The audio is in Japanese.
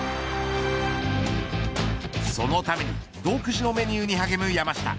そのために独自のメニューに励む山下。